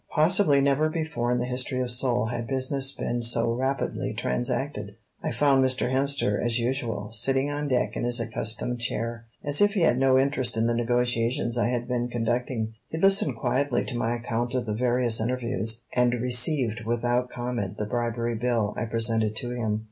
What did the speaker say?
Possibly never before in the history of Seoul had business been so rapidly transacted. I found Mr. Hemster, as usual, sitting on deck in his accustomed chair, as if he had no interest in the negotiations I had been conducting. He listened quietly to my account of the various interviews, and received without comment the bribery bill I presented to him.